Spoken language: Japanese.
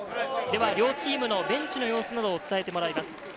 両チームのベンチの様子などを伝えてもらいます。